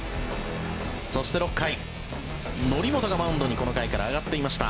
そして、６回則本がマウンドにこの回から上がっていました。